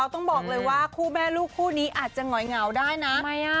ต้องบอกเลยว่าคู่แม่ลูกคู่นี้อาจจะหงอยเหงาได้นะ